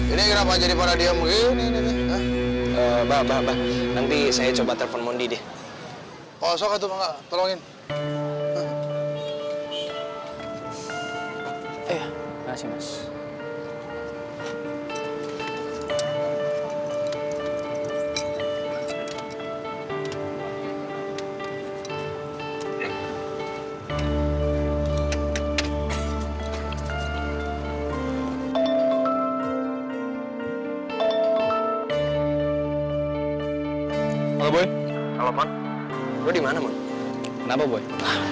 ini kenapa jadi pada diam begini ini ini ini